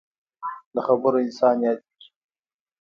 له خبرو انسان یادېږي.